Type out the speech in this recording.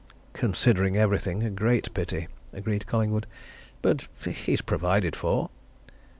"Considering everything a great pity," agreed Collingwood. "But he's provided for."